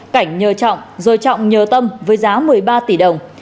cảnh nhờ trọng rồi trọng nhờ tâm với giá một mươi ba tỷ đồng